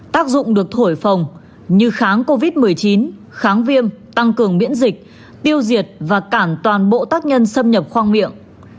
tác dụng được thổi phòng như kháng covid một mươi chín kháng viêm tăng cường miễn dịch tiêu diệt và cản toàn bộ tác nhân xâm nhập khoang miệng